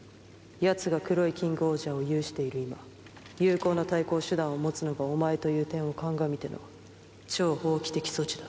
やつが黒いキングオージャーを有している今有効な対抗手段を持つのがお前という点を鑑みての超法規的措置だ。